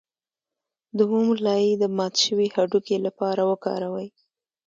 د موم لایی د مات شوي هډوکي لپاره وکاروئ